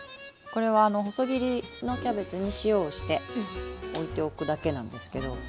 これは細切りのキャベツに塩をしておいておくだけなんですけど。